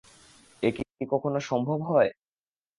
এ কি কখনো সম্ভব হয়।